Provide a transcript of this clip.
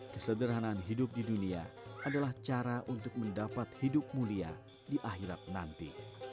kesederhanaan hidup di dunia adalah cara untuk mendapat hidup mulia di akhirat nanti